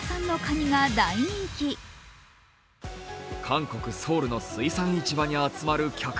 韓国・ソウルの水産市場に集まる客。